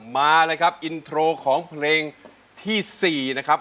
มาเลยครับอินโทรของเพลงที่๔นะครับ